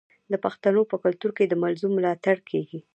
د پښتنو په کلتور کې د مظلوم ملاتړ کیږي.